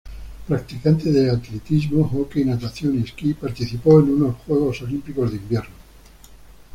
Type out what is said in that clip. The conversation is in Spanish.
Practicante de atletismo, hockey, natación y esquí, participó en unos Juegos Olímpicos de Invierno.